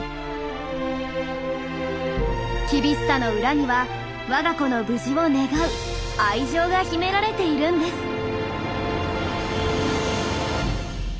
厳しさの裏には我が子の無事を願う愛情が秘められているんです。